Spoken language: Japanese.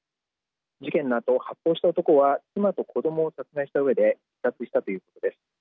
事件のあと発砲した男は妻と子どもを殺害したうえで自殺したということです。